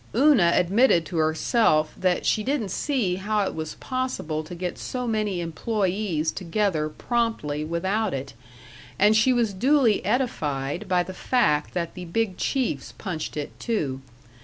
Una admitted to herself that she didn't see how it was possible to get so many employees together promptly without it, and she was duly edified by the fact that the big chiefs punched it, too....